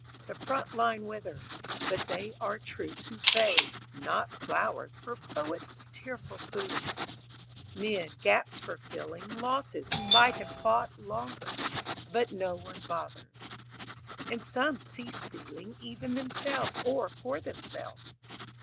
The front line withers, But they are troops who fade, not flowers For poets' tearful fooling: Men, gaps for filling Losses who might have fought Longer; but no one bothers. II And some cease feeling Even themselves or for themselves.